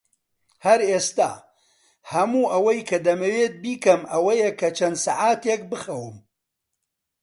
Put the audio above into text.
هەر ئێستا، هەموو ئەوەی کە دەمەوێت بیکەم ئەوەیە کە چەند سەعاتێک بخەوم.